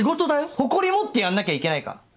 誇り持ってやんなきゃいけないか？